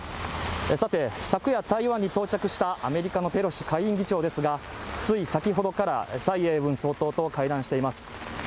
さて昨夜台湾に到着したアメリカのペロシ下院議長ですがつい先ほどから蔡英文総統と会談しています